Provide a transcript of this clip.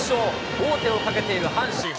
王手をかけている阪神。